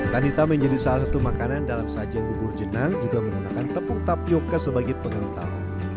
tanita menjadi salah satu makanan dalam sajian bubur jenang juga menggunakan tepung tapioca sebagai penentang